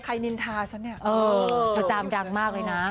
ใครนินทาฉันเนี่ยเออจำยังมากเลยนะ